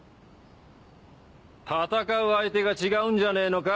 戦う相手が違うんじゃねえのか？